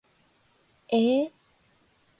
えー